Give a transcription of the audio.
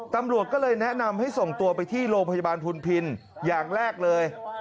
ตำรวจก็เลยแนะนำให้ส่งตัวไปที่โรงพยาบาลพุนพินอย่างแรกเลย